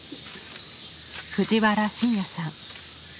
藤原新也さん。